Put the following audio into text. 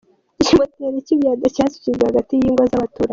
Ikimpoteri cy’imyanda cyashyizwe hagati y’ingo z’abaturage